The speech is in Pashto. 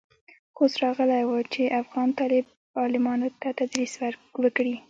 خو اوس راغلى و چې افغان طالب العلمانو ته تدريس وکړي.